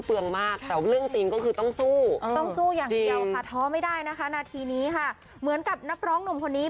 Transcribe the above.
มากแต่ว่าเรื่องจริงก็คือต้องสู้ต้องสู้อย่างเดียวค่ะท้อไม่ได้นะคะนาทีนี้ค่ะเหมือนกับนักร้องหนุ่มคนนี้